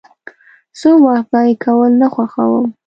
زه وخت ضایع کول نه خوښوم.